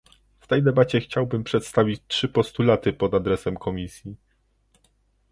W tej debacie chciałbym przedstawić trzy postulaty pod adresem Komisji